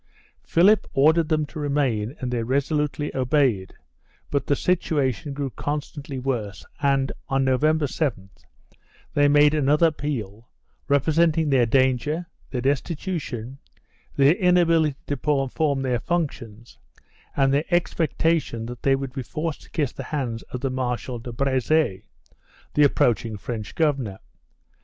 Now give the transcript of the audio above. Philip ordered them to remain and they resolutely obeyed, but the situation grew constantly worse and, on November 7th, they made another appeal, representing their danger, their destitution, their inability to perform their functions, and their expectation that they would be forced to kiss the hands of the Marshal de Breze, the approaching French governor.